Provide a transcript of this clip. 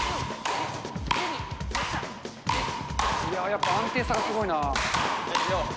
やっぱり安定さがすごいな。